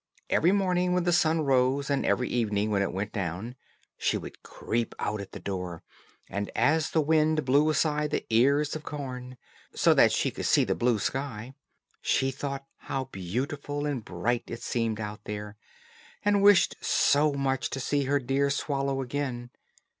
Every morning when the sun rose, and every evening when it went down, she would creep out at the door, and as the wind blew aside the ears of corn, so that she could see the blue sky, she thought how beautiful and bright it seemed out there, and wished so much to see her dear swallow again.